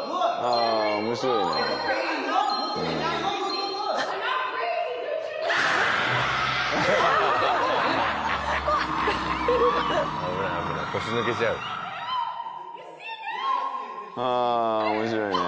あ面白いね。